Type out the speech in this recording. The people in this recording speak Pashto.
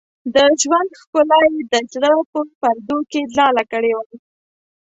د ژوند ښکلا یې د زړه په پردو کې ځاله کړې وه.